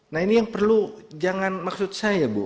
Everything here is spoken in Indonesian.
nah ini yang perlu jangan maksud saya bu